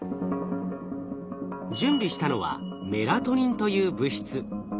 準備したのはメラトニンという物質。